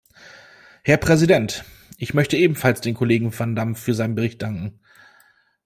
Herr Präsident! Ich möchte ebenfalls dem Kollegen van Dam für seinen Bericht danken.